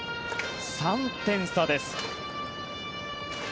３点差です。